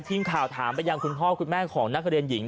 ทีมข่าวถามไปยังคุณพ่อคุณแม่ของนักเรียนหญิง